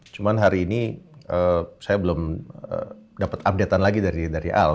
cuma hari ini saya belum dapat update an lagi dari al